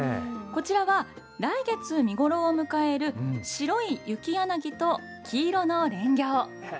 こちらは、来月見頃を迎える白いユキヤナギと黄色のレンギョウ。